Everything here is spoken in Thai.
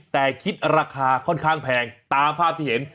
แต่คิดราคาค่อนข้างแพงตามภาพที่เห็น